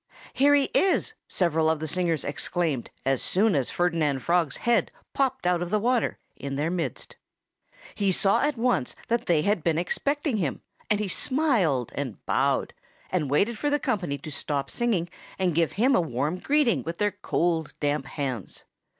"Here he is!" several of the singers exclaimed as soon as Ferdinand Frog's head popped out of the water, in their midst. He saw at once that they had been expecting him; and he smiled and bowed and waited for the company to stop singing and give him a warm greeting with their cold, damp hands.